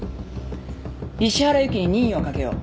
石原由貴に任意をかけよう。